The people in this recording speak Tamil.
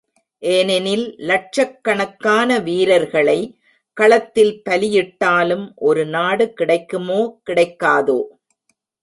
ஏனெனில் லட்சக்கணக்கான வீரர்களை களத்தில் பலியிட்டாலும் ஒரு நாடு கிடைக்குமோ கிடைக்காதோ.